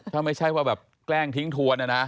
ถ้าไม่ใช่ว่าแบบแกล้งทิ้งทวนนะนะ